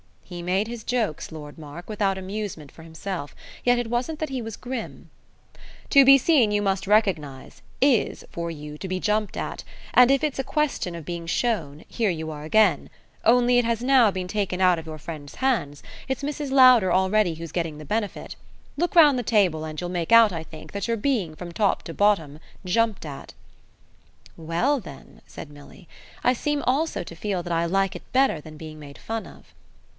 He made his jokes, Lord Mark, without amusement for himself; yet it wasn't that he was grim. "To be seen, you must recognise, IS, for you, to be jumped at; and, if it's a question of being shown, here you are again. Only it has now been taken out of your friend's hands; it's Mrs. Lowder already who's getting the benefit. Look round the table, and you'll make out, I think, that you're being, from top to bottom, jumped at." "Well then," said Milly, "I seem also to feel that I like it better than being made fun of."